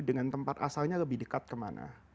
dengan tempat asalnya lebih dekat kemana